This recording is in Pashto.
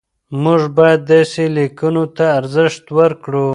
موږ باید داسې لیکنو ته ارزښت ورکړو.